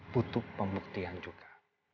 butuh pembuktian juga